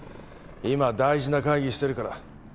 今大事な会議してるから。